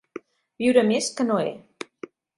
Viure més que Noé.